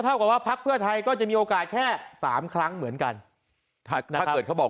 เท่ากับว่าพักเพื่อไทยก็จะมีโอกาสแค่สามครั้งเหมือนกันถ้าเกิดเขาบอก